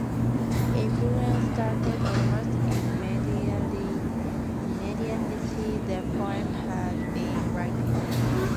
Influence started almost immediately the poem had been written.